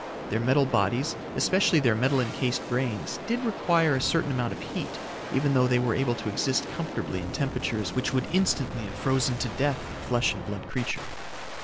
Their metal bodies, especially their metal encased brains, did require a certain amount of heat even though they were able to exist comfortably in temperatures which would instantly have frozen to death a flesh and blood creature.